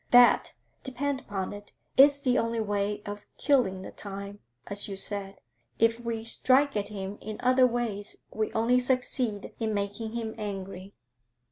That, depend upon it, is the only way of killing the time, as you said; if we strike at him in other ways we only succeed in making him angry.'